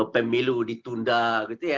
pemilu ditunda gitu ya